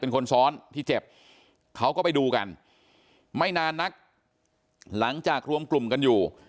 เป็นคนซ้อนที่เจ็บเขาก็ไปดูกันไม่นานนักหลังจากรวมกลุ่มกันอยู่